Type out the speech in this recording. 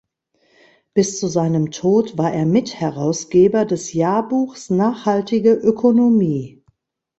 Bis zu seinem Tod war er Mitherausgeber des Jahrbuchs Nachhaltige Ökonomie.